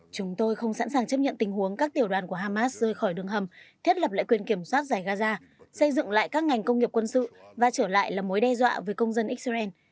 chúng tôi không sẵn sàng chấp nhận tình huống các tiểu đoàn của hamas rơi khỏi đường hầm thiết lập lại quyền kiểm soát giải gaza xây dựng lại các ngành công nghiệp quân sự và trở lại là mối đe dọa với công dân israel